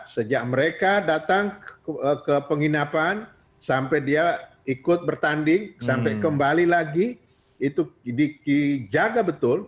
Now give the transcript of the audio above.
sejak mereka datang ke penginapan sampai dia ikut bertanding sampai kembali lagi itu dijaga betul